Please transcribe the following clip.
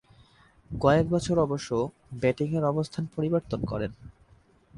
কয়েক বছর অবশ্য ব্যাটিংয়ের অবস্থান পরিবর্তন করেন।